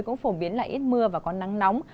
cũng phổ biến là ít mưa và có nắng nóng